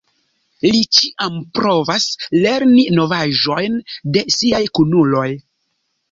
Li ĉiam provas lerni novaĵojn de siaj kunuloj.